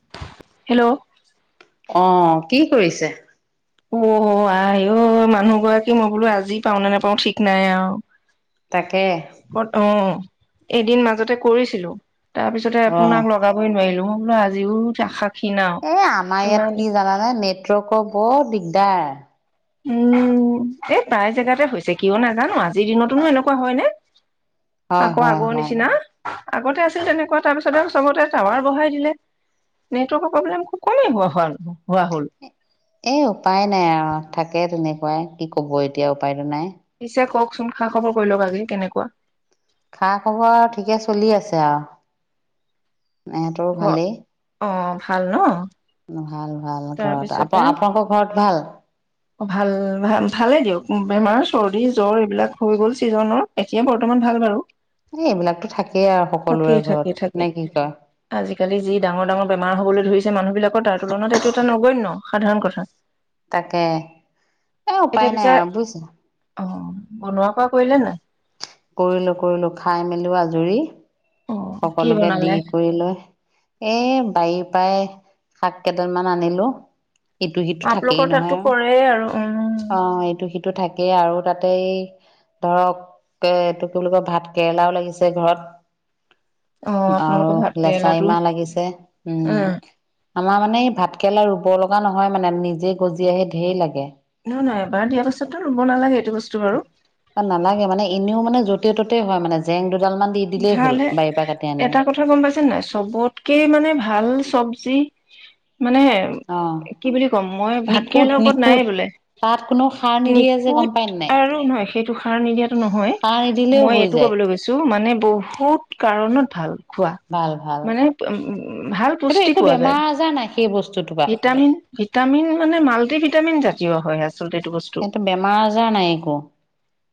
[unintelligible] Hello. অ', কি কৰিছে? অ' আই ঔ মানুহ গৰাকী মই বোলো আজি পাওঁ নে নাপাওঁ ঠিক নাই আৰু। তাক ফটো। এদিন মাজতে কৰিছিলো। তাৰ পিছতে অ'। আপোনাক লগাবই নোৱাৰিলো। বোলো আজিও আশা ক্ষীণ আও এ আমাৰ ইমান ইয়াত কি জানানে? নেটৱৰ্কৰ বৰ দিগদাৰ। উম, এই প্ৰায় জেগাতে হৈছে, কিয় নাজানো? আজিৰ দিনতোনো এনেকুৱা হয়নে। হয়, আকৌ হয়, আগৰ হয়। নিচিনা। আগতে আছিল তেনেকুৱা তাৰ পিছত আৰু চবতে টাৱাৰ বঢ়াই দিলে। নেটৱৰ্কৰ প্ৰব্লেম খুব কমেই হোৱা হল হোৱা হ'ল। এই উপাই নাই আৰু থাকে তেনেকুৱা, কি কৱ এতিয়া উপায়টো নাই। পিছে কওকচোন খা-খবৰ কৰি লওঁক, আজি কেনেকুৱা। খা খবৰ আও ঠিকে চলি আছে আও মাঁ হতঁৰো ঘৰ ভালেই। অ ভাল ন? ভাল, ভাল ঘৰত আপ তাৰপিছতে আপোনালোকৰ ঘৰত ভাল? অ', ভাল ভাল ভালেই দিয়ক বেমাৰ চৰ্দি জ্বৰ এইবিলাক হৈ গ'ল চিজনৰ এতিয়া বৰ্তমান ভাল বাৰু। এই এইবিলাকতো থাকেই আৰু সকলোৰে থাকেই ঘৰত থাকেই থাকে, নে কি কয়? আজিকালি যি ডাঙৰ ডাঙৰ বেমাৰ হবলৈ ধৰিছ মানুহ বিলাকৰ তাৰ তুলনাতে। অন্য সাধাৰণ কথা। তাকে, এ এতিয়া উপায় নাই পিছে আৰু, বুইছ? অ', বনোৱা কৰা কৰিলে নে নাই? কৰিলো, কৰিলো। খাই মেলিয়ো আজৰি। অ কি সকলোকে দি বনালে কৰি লৈ এ বাই-পাই। শাক কেইডাল মান আনিলো। ইটো সিটো থাকেই আপোনালোকৰ তাতো নহয়, কৰে আৰু উম অ' ইটো সিটো থাক কেই আৰু তাতেই ধৰক, তে এইটো কি বুলি কয়? ভাত কেৰেলাও লাগিছে ঘৰত। অ আৰু আপোনালোকৰ ভাত কেৰেলাটো লেচাৰীমাহ লাগিছে উম। আমাৰ মানে ভাতকৰেলা ৰুব লগা নহয়, মানে নিজে গজি আহে ধে লাগে। নহ নাই এবাৰ দিয়াৰ পাছতো ৰুব নালাগে। এইটো বস্তু বাৰু নালাগে মানে এনেও মানে য'তে ততে হয় মানে জেং দু ভাল হে এটা কথা গম পাইছা নে নাই? চবতকে মানে ভাল চব জি [unintelligible] মানে অঁ কি বুলি ক'ব, মই ভাত নিখুঁত কেৰেলা ওপৰত নাই নিখুঁত বোলে। তাত কোনো সাৰ নিদিয়ে যে গম নিখুঁত পায় নাই আৰু নহয় সেইটো সাৰ নিদিয়াটো নহয়। সাৰ নিদিলেও মই হৈ এইটো যায় কবলৈ গৈছো মানে। বহুত কাৰণত ভাল। খোৱা। ভাল ভাল মানে ভাল সেইটো পুষ্টি একো পোৱা যায়। বেমাৰ আজাৰ নাই সেই বস্তুটোৰ পৰা ভিটামিন, ভিটামিন মানে মাল্টি ভিটামিন জাত হয়। আচলতে এইটো বস্তু সেইটো বেমাৰ আজাৰ নাই একো।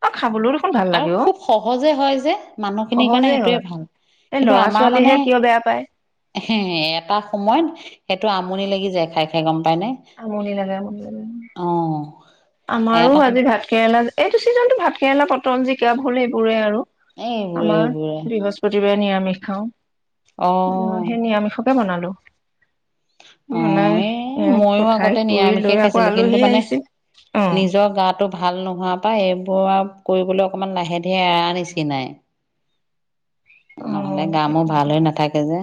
অ খাবলৈ দেখোন ভাল আৰু খুব সহজে হয় যে মানুহ সহজে হয় এই লঁৰা মানে ছোৱালীহে কিয় বেয়া পায়। এটা সময়ত সেইটো আমনি লাগি যায় খাই-খাই গম পায়নে আমনি লাগে আমনি লাগে, অ আমাৰো এটা আজি ভাত কেৰেলা এইটো ছিজনতো ভাতকেৰেলা, পটল, জিকা, ভোল এইবোৰেই আৰু। এই এইবোৰে আমাৰ এইবোৰে বৃহস্পতিবাৰে নিৰামি [unintelligible] খাওঁ অ। সেই নিৰামিষকে বনালো। অ বুনাই এই এওঁক। ময়ো আগতে নিৰামিষে খাইছিলো কিন্তু মানে অ নিজৰ গাটো ভাল নোহোৱা পা এইবোৰ আৰু কৰিবলৈ অকমান লাহে ধীৰে এৰা নিচিনাই। নহলে অ', গা মো ভাল হৈ নাথাকে যে।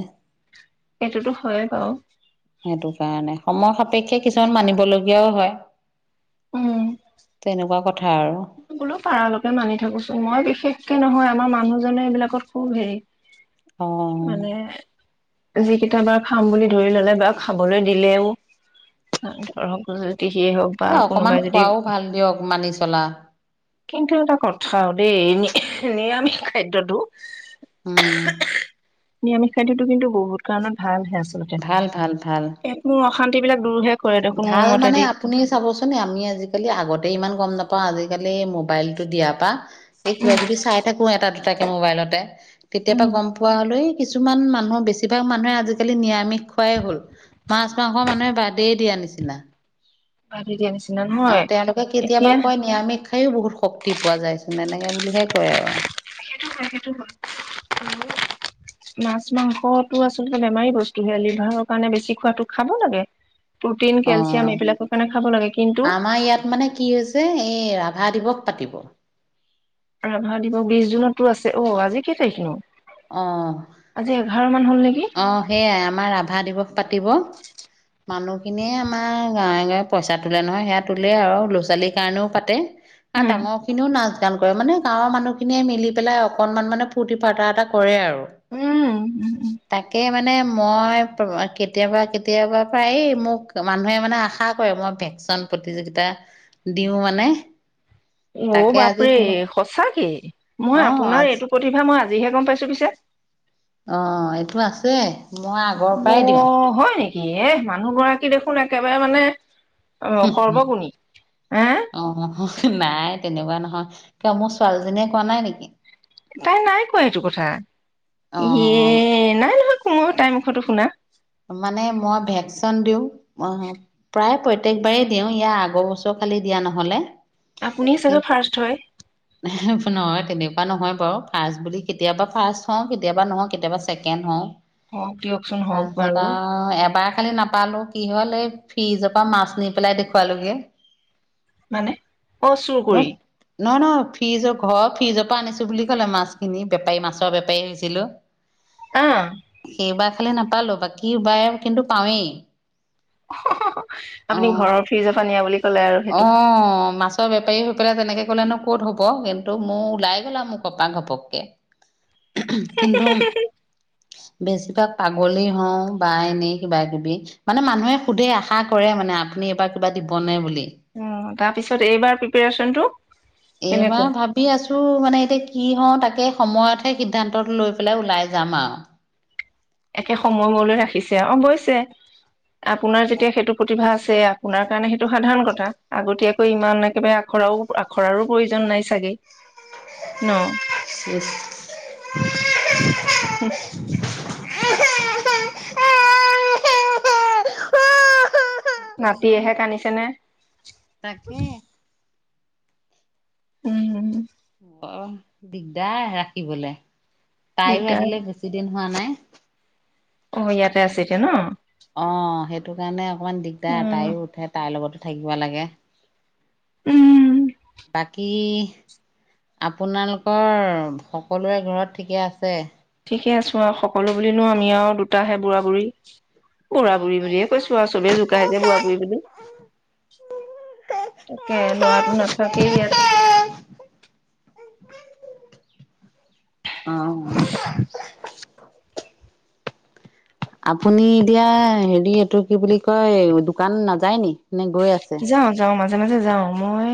এইটোতো হয়ে বাৰু। সেইটো কাৰণে সময় সাপেক্ষে কিছুমান মানিবলগীয়াও হয় উম তেনেকুৱা কথা। হেয়া আৰু। বোলো পাৰালৈকে মানি থাকোছোন মই বিশেষকে নহয় আমাৰ মানুহজনে এইবিলাকত খুব হেৰি। অ। মানে যিকেইটা বাৰ খাম বুলি ধৰি ললে বা খাবলৈ দিলেও ধৰক জ্যোতিষিয়ে হওক বা এ অকমান কোনোবাই যদি খোৱাও ভাল দিয়ক মানি চলা। কিন্তু এটা কথাও দেই, নিৰামিষ খাদ্যটো উম, নিৰামিষ খাদ্যতো কিন্তু বহুত কাৰণত ভাল হে। আচলতে ভাল ভাল ভাল [unintelligible] মোৰ অশান্তিবিলাক। ভাল মানে আপুনি চাবচোনে আমি আজিকালি আগতে ইমান গম নাপ পা আজিকালি মো মোবাইলটো দিয়াৰ পা এই কিবা উম কিবি চাই থাকো এটাাত তাকে মোবাইল'তে কেতিয়াবা উম গম পোৱা হলে। কিছুমান মানুহ, বেছিভাগ মানুহে আজিকালি নিৰামিষ খুৱাই হ'ল, মাছ মাংস মানুহে বাদ দিয়া নিচিনা। [unintelligible] আৰু তেওঁলোকে কেতিয়াবা এতিয়া কয় নিৰামিষ খাইও বহুত শক্তি পোৱা যাইছে নে নে বুলিহে কয় আৰু। সেইটো হয়, সেইটো হয়, মাছ মাংসটো আচলতে বেমাৰী বস্তু হে লিভাৰৰ কাৰণে বেছি খোৱাটো, খাব লাগে। প্ৰটিন, অ কেলচিয়াম এইবিলাকৰ কাৰণে খাব লাগে, কিন্তু যে এই ৰাভা দিৱস পাতিব ৰাভা দিৱস বিশ জুনতো আছে, অ আজি কেই তাৰিখ নো? অ, হ'ল নেকি অহ সেইয়াই আমাৰ ৰাভা দিৱস পাতিব, মানুহখিনিয়ে আমাৰ গাঁৱে গাঁৱে পইচা তোলে নহয় হেয়া তোলে আৰু ল'-ছালীৰ কাৰণেও পাতে। আ উম ডাঙৰ খিনিও নাজ দান কৰে। মানে গাঁৱৰ মানুহখিনিয়ে মিলি পেলাই অকণমান মানে ফৰ্তি ফাৰ্তা এটা কৰে আউ। উম, উম, উম, মানে মই কেতিয়াবা কেতিয়াবা পৰা এই মোক মানুহে মানে আশা কৰে মই ভেকচন প্ৰতিযোগিতা দিও মানে। অ তাকে আজি বাপৰে কোনো সঁচাকে, মই অ আপোনাৰ আজি এইটো প্ৰতিভা মই আ জিহে গম পাইছো পিছে। অ এইটো আছে, মই আগৰ প্ৰাই দিওঁ। কিয়েহ মানুহ গৰাকী দেখোন একেবাৰে মানে অ সৰ্বগুণী আ অ নাই তেনেকোৱা নহয় কিয় মোৰ ছোৱালীজনীয়ে কোৱা নাই নেকি তাই নাই কোৱা স এইটো কথা ইয়ে অ নাই নহয় ময়ো তাই মুখতো শুনা। মানে মই ভেকচন দিওঁ। অহ, প্ৰায় প্ৰত তেকবাৰেই দিওঁ, ইয়াৰ আগৰ বছৰ খালি দিয়া নহলে। আপুনি চাগে ফাৰ্ষ্ট হয়। তেনেকোৱা নহয় বাৰু ফাৰ্ষ্ট বুলি কেতিয়াবা ফাৰ্ষ্ট হওঁ কেতিয়াবা নহওঁ কেতিয়াবা ছেকেণ্ড হওঁ। অ, দিয়কচোন হওক। হেত বাৰু আউ এবা কালি নাপালো, কি হ'ল এই ফ্ৰিজৰ পৰা মাছ নি পেলাই দেখুৱালোগে। মানে অ চুৰ কৰি ন-ন ফ্ৰিজ ঘৰ ফ্ৰিজৰ পৰা আনিছো বুলি কলে মাছখিনি বেপাৰী মাছৰ বেপাৰী আহিছিলো। আহ সেইবাৰ খালি নাপালো ব বাকি কি বায় কিন্তু পাওঁয়ে অহ হহ আপুনি ঘৰৰ ফ্ৰিজৰ পৰা নিয়া বুলি ক'লে আৰু অ সেইটো মাছৰ বেপাৰী হৈ পেলাই তেনেকে গলেনো ক'ত হ'ব কিন্তু মোৰ ওলাই গ'লা মুখৰপা ঘপককে কিন্তু বেছিভাগ পাগলী হওঁ বা এনেই কিবা কিবি মানে মানুহে সুধে আশা কৰে মানে আপুনি এইবাৰ কিবা দিবনে বুলি। অ তাৰপিছত এইবাৰ প্ৰিপৰেচনটো এইবাৰ ভাবি আছো মানে এতিয়া কি হওঁ তাকে ‍সময়তহে সিদ্ধান্ত লৈ পেলাই ওলাই যাম আও একে সময়ময়লৈ ৰাখিছে অৱশ্যে আপোনাৰ যেতিয়া সেইটো প্ৰতিভা আছে আপোনাৰ কাৰণে সেইটো সাধাৰণ কথা আগতীয়াকৈ ইমান একেবাৰে আখৰাও আখৰাৰো প্ৰয়োজন নাই চাগে ন চেচ আহা আ আহা আ উ এহে এহে এহে এহে হু হু নাতিয়েহে কান্দিছেনে? তাকে উম উম অহ দিগদাৰ ৰাখিবলে তাইও দিগদাৰ আহিলে বেছি দিন হোৱা নাই। অ ইয়াতে আছে এতিয়া ন অ সেইটো কাৰণে অকমান দিগদাৰ উম তাইও উঠে তাইৰ লগত থাকিব লাগে উম বাকী আপোনালোকৰ সকলোৰে ঘৰত ঠিকে আছে? ঠিকে আছো আৰু সকলো বুলিনো আমি আও দুটাহে বুঢ়া বুঢ়ী বুঢ়া বুঢ়ী বুলিয়ে কৈছো আৰু চবেই জোকাই যে বুঢ়া বুঢ়ী বুলি তাকে লৰাটো নাথাকেই ইয়াত অহ আপুনি এতিয়া হেৰি এইটো কি বুলি কয় দোকান নাযায় নি? নে গৈ আছে? যাওঁ যাওঁ মাজে মাজে যাও মই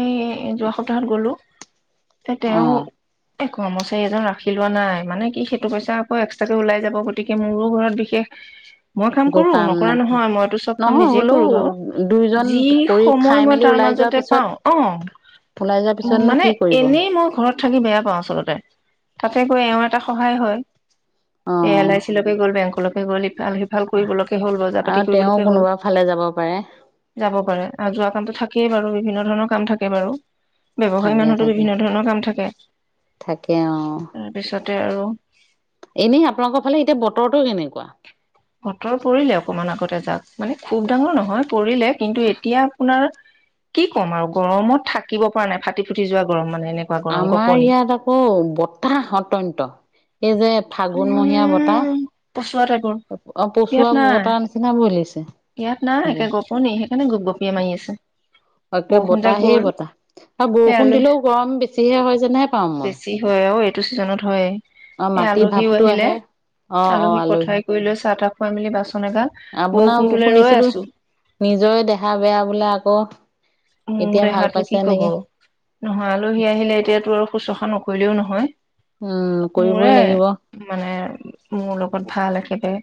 যোৱা সপ্তাহত গলো তে অ তেওঁ কৰ্মচাৰী এজন ৰাখি লোৱা নাই। মানে কি সেইটো পইচা আকৌ এক্সট্ৰাকে ওলাই যাব গতিকে মোৰো ঘৰত বিশেষ মই কাম একো কৰো নকৰা নাথা নহয় মইতো চব কাম নহয় নিজে হ'লেও কৰো বাৰু দুইজন যি কৰি সময় খাই মই মেলি তাৰ ওলাই যোৱাৰ মাজতে পিছত পাওঁ অ ওলাই যোৱাৰ পিছতনো মানে কি কৰিব? এনেই মই ঘৰত থাকি বেয়া পাওঁ আচলতে তাতে গৈ এওঁ এটা সহায় হৈ অ এ এল আ ই চি লেকে গল বেংক বেগলী ভাল সিফাল কৰিবলৈকে হ'ল বজাৰ পাতি আৰু তেওঁ কৰিবলৈকে হ'ল কোনোবা ফালে যাব পাৰে যাব পাৰে কামটো থাকেই বাৰু বিভিন্ন ধৰণৰ কাম থাকে বাৰু ব্যৱসায়ী থাকে মানুহতো থাকে বিভিন্ন ধৰণৰ কাম থাকে। থাকে অ তাতে আৰু এনেই আপোনালোকৰ ফালে এতিয়া বতৰটো কেনেকুৱা? বতৰ পৰিলে অকমান আগতে যাক মানে খুব ডাঙৰ নহয় পৰিলে। কিন্তু এতিয়া আপোনাৰ কি ক'ম আৰু গৰমত থাকিব পৰা নাই ফাটি ফুটি যোৱা গৰম মানে এনেকুৱা গৰম আমাৰ গপনি ইয়াত আকৌ বতাহ অত্যন্ত এই যে ফাগুনমহীয়া বতাহ উম পচোৱা টাইপৰ অ পচোৱা ইয়াত বতাহ নিচিনা বলিছে নাই ইয়াত নাই একে গপনি সেইকাৰণে গপ গপিয়ে মাৰি আছে। তে বৰষুণ যাক গ'ল বতাহেই বতাহ আৰু সেই বৰষুণ আলু দিলেও গৰম বেছিহে হয় যেনেহে পাওঁ মই। অ এইটো ছিজনত হয় অ মাটি ভাপ টো আহে অ অ আলহী। চাহটা খোৱাই মেলি বাছন আপোনাৰ শুনিছিলো নিজৰে দেহা বেয়া বোলে আকৌ মোৰ এতিয়া ভাল দেহাটো পাইছে কি কব, নেকি নহয় আলহী আহিলে এতিয়াতো আৰু শুশ্ৰূষা নক কৰিলেও নহয় উম কৰিবই মোৰে লাগিব মানে মোৰ লগত ভাল একেবাৰে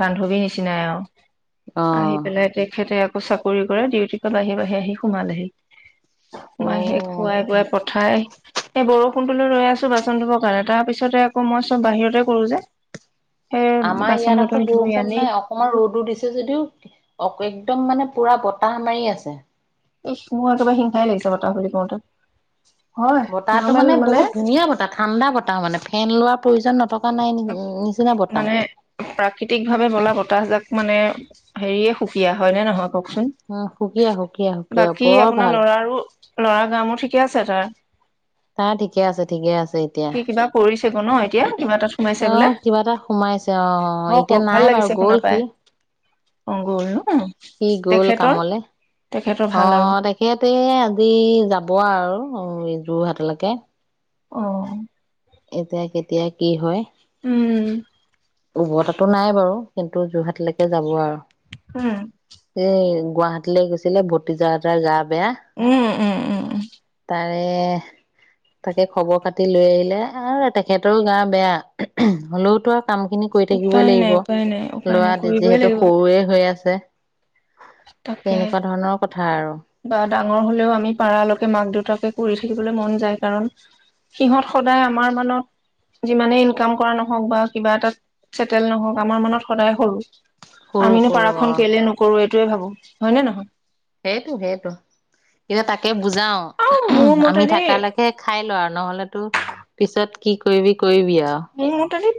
বান্ধৱীৰ নিচিনাই আৰু আহি অ', পেলাই তেখেতে চাকৰি কৰে ডিউটি ত বাঢ়িয়ে বাঢ়িয়ে আহি সোমালেহি মাহে খোৱাই বোৱাই পঠাই এই বৰষুণ ফোনটোলৈ ৰৈ আছো বাচন ধুবৰ কাৰণে তাৰ পিছতে আকৌ মই চ'ব বাহিৰতে কৰো যে সেই আমাৰ বাচন ইয়াত বৰ্তন আকৌ ধুই বৰষুণ আনি নাই অকমান ৰ'দো দিছে যদিও অ একদম মানে পুৰা ব বতাহ মাৰি আছে। এই মই একেবাৰে হিংসাই লাগিছে বতাহ বুলি কওঁতে হয় বতাহটো নৰ্মেল মানে বহুত ধুনীয়া বতাহ ঠাণ্ডা বতাহ মানে। ফেন লোৱাৰ প্ৰয়োজন নথ মানে প্ৰাকৃতিকভাৱে বলা বতাহজাক মানে হেৰিয়ে সুকীয়া। হয় নে নহয় কওকচোন উম, সুকীয়া সুকীয়া সুকীয়া বাকী বৰ আপোনাৰ ভাল। ল'ৰাৰো ল'ৰা গা মো ঠিকে আছে তাৰ তা ঠিকে আছে ঠিকে আছে এতিয়া। সি কিবা কৰিছে ক ন এতিয়া কিবা এটাত সোমাইছে বোলে অ', কিবা এটা সোমাইছে অ', হওঁক এতিয়া হওঁক নাই ভাল বাৰু লাগিছে গ'ল শুনা সি পাই অ গ'ল ন সি গ'ল তেখেতৰ কামলে তেখেতৰ অ ভাল আৰু তেখেতে আজি যাব আৰু অ এই যোৰহাটলেকে আহ এতিয়া কেতিয়া কি হয় উম উভতাটো নাই বাৰু কিন্তু যোৰহাটলৈকে যাব আৰু উম তে গুৱাহাটীলে গৈছিলে ভতিজা এটাৰ গা বেয়া উম উম উম তাৰ কে তাকে খবৰ পাতি লৈ আহিলে আ তেখেতৰো গা বেয়া উমহ উমহ হ'লেওতো কাম খিনি কৰি থাকিবই উপায় লাগিব নাই উপায় নাই উপায় নাই ল'ৰা কৰিবই যিহেতু লাগিব সৰুৱে হৈ আছে ছে তাকে আৰু বা ডাঙৰ হ'লেও আমি পাৰালৈকে মাক দেউতাকে কৰি থাকিবলে মন যায় কাৰণ সিহঁত সদায় আমাৰ মনত যিমানে ইনকাম কৰা নহওঁক বা কিবা এটাত চেটেল নহওঁক আমাৰ মনত সদায় সৰু সৰু আমিনো সৰু পাৰাখন অ কেলে নকৰোঁ এই সেইটোৱে ভাবোঁ হয়নে নহয় সেইটো সেইটো এতিয়া তাকে কে বুজাওঁ আৰু মোৰ উমহ আমি মতেদি থাকা লৈকে খাই লওঁ আৰু নহ'লেতো পিছত কি কৰিবি কৰিবি আৱ মোৰ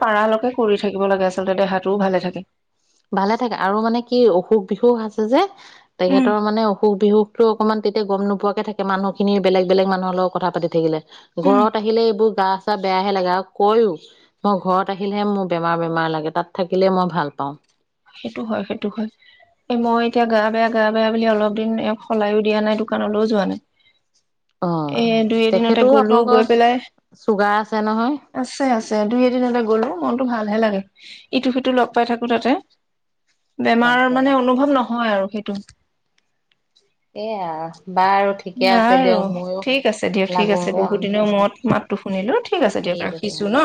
পাৰালৈকে কৰি থাকিব লাগে আচলতে দেহাটোও ভালে থাকে ভালে থাকে আৰু মানে কি অসুখ বিসুখ আছে যে উম তেখেতৰ মানে অসুখ বিসুখ তো অকণমান তেতিয়া গম নোপোৱাকে থাকে মানুহখিনি বেলেগ বেলেগ মানুহৰ লগত কথা পাতি থাকিলে উম ঘৰত আহিলে এইবোৰ গা চাহ বেয়াহে লাগে আৰু কয়ো মই ঘৰত আহিলেহে মোৰ বেমাৰ বেমাৰ লাগে তাত থাকিলে মই ভাল পাওঁ সেইটো হয় সেইটো হয় এ মই এতিয়া গা বেয়া গা বেয়া বুলি অলপ দিন সলায়ো দিয়া নাই দোকানলৈও যোৱা নাই অ এ দুই এদিনতে তেখেতৰো গ'লো গৈ আপোনালোকৰ পেলাই চুগাৰ আছে নহয় আছে আছে দুই এদিনতে গ'লো মনতটো ভালহে লাগে ইটো সিটো লগ পাই থাকো তাতে বেমাৰৰ তাকে মানে অনুভৱ নহয় আৰু ভেটো এয়া বাৰু ঠিকে ব আছে দিয়ক ময়ো ঠিক আছে দিয়ক ঠিক আছে লাগোগে বহুত দিনৰ মৰত মাতটো শুনিলো ঠিক আছে দিয়ক ৰাখিছো ন